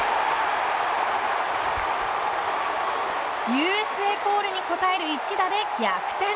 ＵＳＡコールに応える一打で逆転。